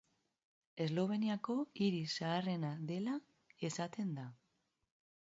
Esloveniako hiri zaharrena dela esaten da.